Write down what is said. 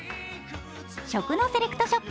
食のセレクトショップ